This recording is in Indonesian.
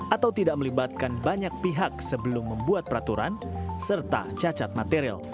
atau tidak melibatkan banyak pihak sebelum membuat peraturan serta cacat material